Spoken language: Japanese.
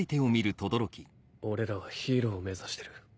俺らはヒーローを目指してる。